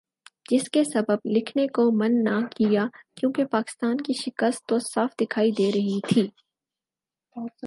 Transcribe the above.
جس کے سبب لکھنے کو من نہ کیا کیونکہ پاکستان کی شکست تو صاف دکھائی دے رہی تھی ۔